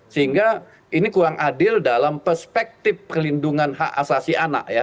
sehingga ini kurang adil dalam perspektif perlindungan hak asasi anak ya